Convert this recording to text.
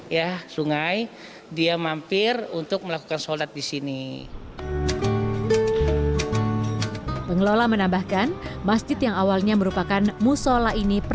ya sungai dia mampir untuk melakukan sholat di sini